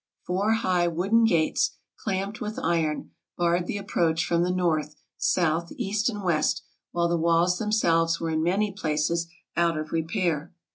Four high wooden gates, clamped with iron, barred the approach from the north, south, east, and west, while the walls themselves were in many places out of repair.